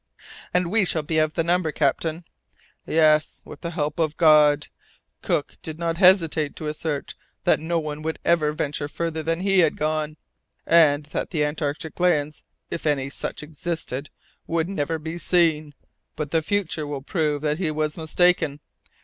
"And we shall be of the number, captain." "Yes with the help of God! Cook did not hesitate to assert that no one would ever venture farther than he had gone, and that the Antarctic lands, if any such existed, would never be seen, but the future will prove that he was mistaken.